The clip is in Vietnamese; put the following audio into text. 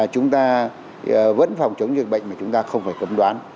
chúng ta vẫn phòng chống dịch bệnh mà chúng ta không phải cấm đoán